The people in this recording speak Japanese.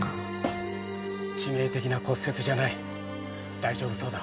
致命的な骨折じゃない大丈夫そうだ。